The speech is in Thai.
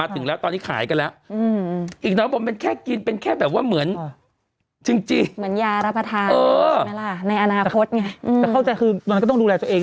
แต่เข้าใจคือมันก็ต้องดูแลตัวเอง